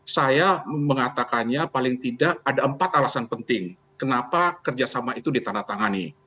saya mengatakannya paling tidak ada empat alasan penting kenapa kerjasama itu ditandatangani